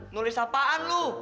nulis apaan lu